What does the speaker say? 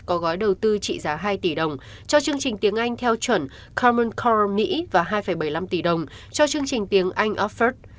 có gói đầu tư trị giá hai tỷ đồng cho chương trình tiếng anh theo chuẩn common corum mỹ và hai bảy mươi năm tỷ đồng cho chương trình tiếng anh offerd